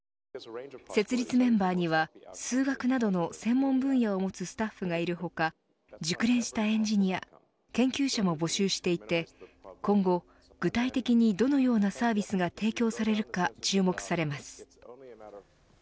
設立メンバーには、数学などの専門分野を持つスタッフがいる他熟練したエンジニア研究者も募集していて今後、具体的にどのようなサービスが提供されるか注目されます。